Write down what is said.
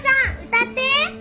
歌って！